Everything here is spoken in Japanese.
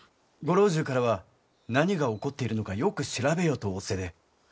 ご老中からは何が起こっているのかよく調べよと仰せで。